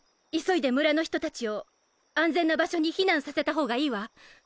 急いで村の人達を安全な場所に避難させた方がいいわ。